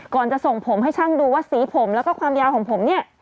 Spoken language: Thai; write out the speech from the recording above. จะส่งผมให้ช่างดูว่าสีผมแล้วก็ความยาวของผมเนี่ย